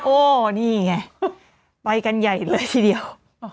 โอ้นี่ไงไปกันใหญ่เลยทีเดียว